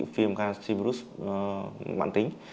phim canxi virus mạng tính